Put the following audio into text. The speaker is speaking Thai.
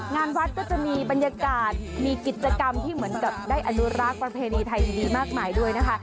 งานวัดก็จะมีบรรยากาศมีกิจกรรมที่เหมือนกับได้อนุรักษ์ประเพณีไทยดีมากมายด้วยนะคะ